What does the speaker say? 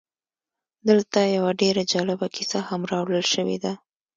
دلته یوه ډېره جالبه کیسه هم راوړل شوې ده